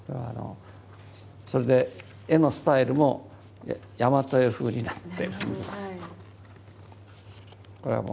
それで絵のスタイルも大和絵風になってるんです。